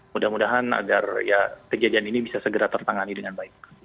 mudah mudahan agar kejadian ini bisa segera tertangani dengan baik